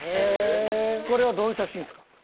これはどういう写真ですか？